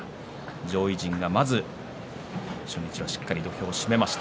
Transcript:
上位陣はまず初日しっかりと土俵を締めました。